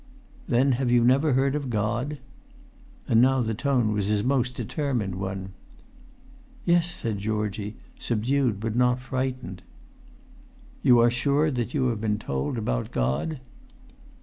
"Then have you never heard of God?" [Pg 265]And now the tone was his most determined one. "Yes," said Georgie, subdued but not frightened. "You are sure that you have been told about God?"